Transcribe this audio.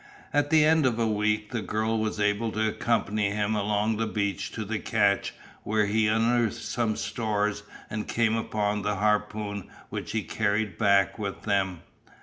At the end of a week the girl was able to accompany him along the beach to the cache where he unearthed some stores and came upon the harpoon which he carried back with them.